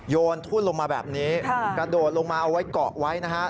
โยนทุ่นลงมาแบบนี้กระโดดลงมาเอาไว้เกาะไว้นะฮะ